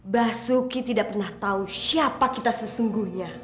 basuki tidak pernah tahu siapa kita sesungguhnya